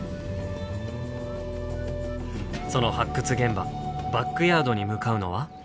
その発掘現場バックヤードに向かうのは。